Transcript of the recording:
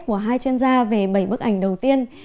của hai chuyên gia về bảy bức ảnh đầu tiên